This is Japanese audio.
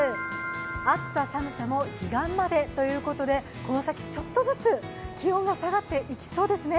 暑さ寒さも彼岸までということでこの先、ちょっとずつ気温が下がっていきそうですね。